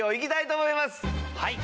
はい。